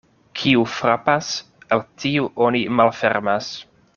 Kiu frapas, al tiu oni malfermas.